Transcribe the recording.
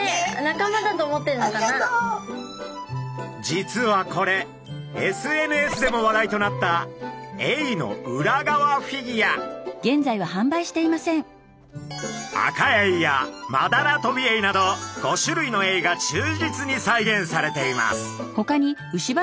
実はこれＳＮＳでも話題となったアカエイやマダラトビエイなど５種類のエイが忠実に再現されています。